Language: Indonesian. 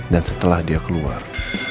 dan setelah dia keluar